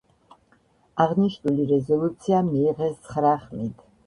აღნიშნული რეზოლუცია მიიღეს ცხრა ხმით.